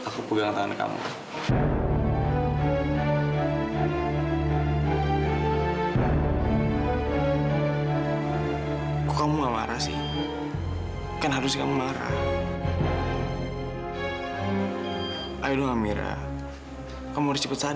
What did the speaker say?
ki kamu jangan sedih ya